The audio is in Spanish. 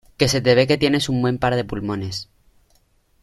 que se te ve que tienes un buen par de pulmones.